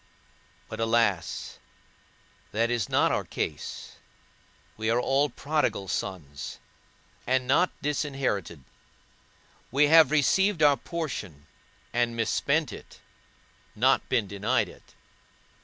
But alas, that is not our case; we are all prodigal sons, and not disinherited; we have received our portion, and mispent it, not been denied it.